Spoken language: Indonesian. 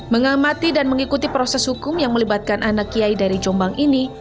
mengamati dan mengikuti proses hukum yang melibatkan anak kiai dari jombang ini